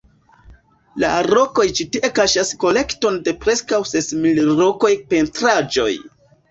La rokoj ĉi tie kaŝas kolekton de preskaŭ ses mil rokaj pentraĵoj.